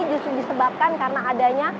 justru disebabkan karena adanya